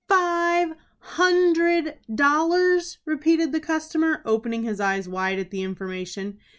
"Five hundred dollars!" repeated the customer, opening his eyes wide at the information.